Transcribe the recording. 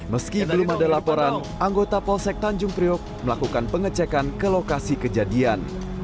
meski belum ada laporan anggota polsek tanjung priok melakukan pengecekan ke lokasi kejadian